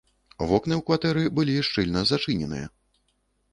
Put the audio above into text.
Вокны ў кватэры былі шчыльна зачыненыя.